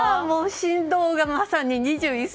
神童がまさに２１歳。